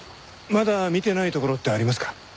まだ見てない所ってありますか？